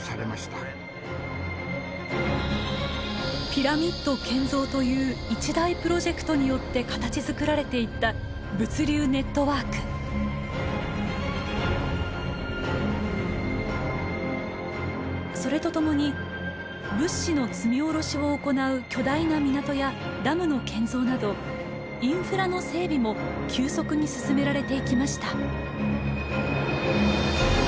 ピラミッド建造という一大プロジェクトによって形づくられていったそれとともに物資の積み降ろしを行う巨大な港やダムの建造などインフラの整備も急速に進められていきました。